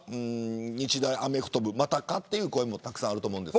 日大アメフト部またかという声もたくさんあります。